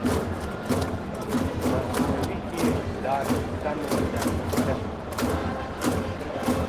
مثنوي کي دا کیسه مي ده لوستلې.